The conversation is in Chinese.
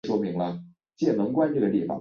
曾祖父赵愈胜。